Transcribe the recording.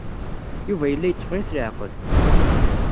Yuba yella yetteffeɣ-it leɛqel.